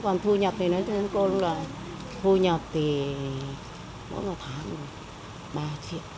còn thu nhập thì nói cho cô là thu nhập thì mỗi một tháng ba triệu